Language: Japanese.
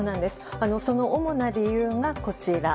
その主な理由がこちら。